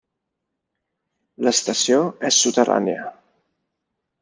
L'estació és soterrània.